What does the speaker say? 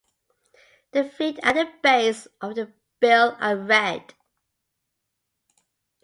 The feet and the base of the bill are red.